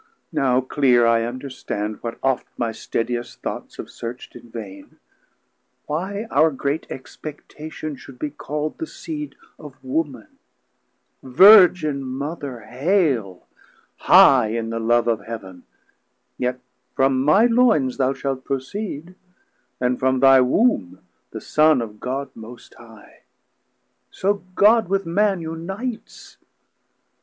now clear I understand What oft my steddiest thoughts have searcht in vain, Why our great expectation should be call'd The seed of Woman: Virgin Mother, Haile, High in the love of Heav'n, yet from my Loynes Thou shalt proceed, and from thy Womb the Son 380 Of God most High; So God with man unites.